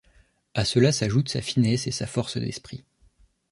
À cela s'ajoute sa finesse et sa force d'esprit.